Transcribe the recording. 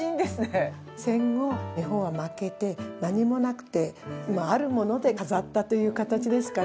戦後日本は負けて何もなくてあるもので飾ったという形ですかね。